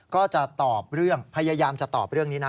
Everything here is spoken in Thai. ก็จะตอบเรื่องพยายามจะตอบเรื่องนี้นะ